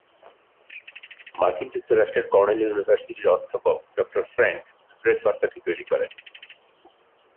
মার্কিন যুক্তরাষ্ট্রের কর্নেল ইউনিভার্সিটির অধ্যাপক ডক্টর ফ্র্যাংক ড্রেক বার্তাটি তৈরি করেন।